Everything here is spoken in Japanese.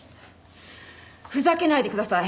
ふざけないでください！